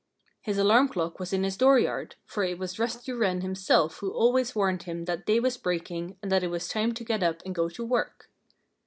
His alarm clock was in his dooryard, for it was Rusty Wren himself who always warned him that day was breaking and that it was time to get up and go to work.